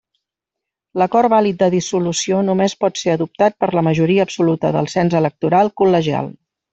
L'acord vàlid de dissolució només pot ser adoptat per la majoria absoluta del cens electoral col·legial.